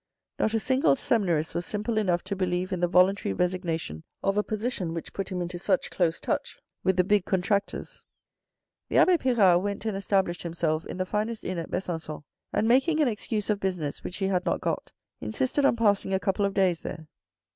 Not a single seminarist was simple enough to believe in the voluntary resignation of a position which put him into such close touch with the big contractors. The abbe Pirard went and established himself in the finest inn at Besancon, and making an excuse of business which he had not got, insisted on passing a couple of days there.